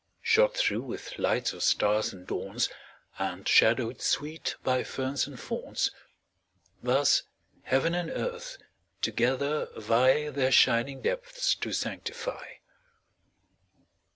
Shot through with lights of stars and dawns, And shadowed sweet by ferns and fawns, Thus heaven and earth together vie Their shining depths to sanctify.